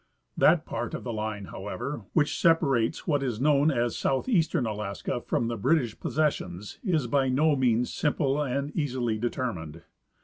That part of the line, however, which separates what is known as southeastern Alaska from the British possessions is by no means simple and easily determined.